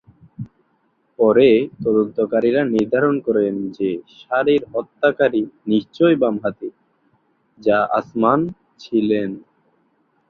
পরে তদন্তকারীরা নির্ধারণ করেন যে সারির হত্যাকারী নিশ্চয়ই বামহাতি, যা আসমান ছিলেন।